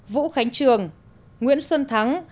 vũ khánh trường nguyễn xuân thắng